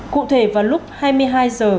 cụ thể vào lúc hai mươi hai h